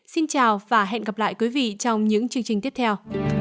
xin chào và hẹn gặp lại quý vị trong những chương trình tiếp theo